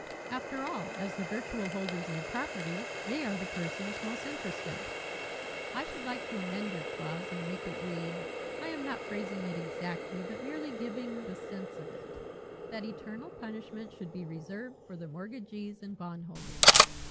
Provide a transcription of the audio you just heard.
After all, as the virtual holders of the property, they are the persons most interested. I should like to amend your clause and make it read I am not phrasing it exactly but merely giving the sense of it that eternal punishment should be reserved for the mortgagees and bondholders."